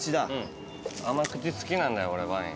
甘口好きなんだよ俺ワイン。